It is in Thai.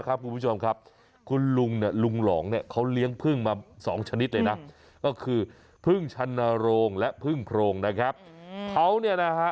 เก็บตรงนี้และตั้นและตั้น